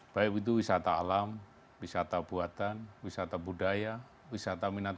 baik itu wisata alam wisata buatan wisata budaya wisata minat